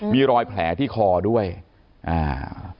มีรอยแผลที่คอด้วยอ่า